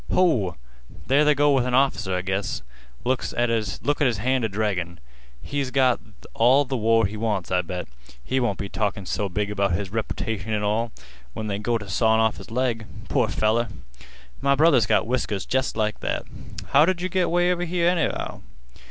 Ho! there they go with an off'cer, I guess. Look at his hand a draggin'. He's got all th' war he wants, I bet. He won't be talkin' so big about his reputation an' all when they go t' sawin' off his leg. Poor feller! My brother's got whiskers jest like that. How did yeh git 'way over here, anyhow?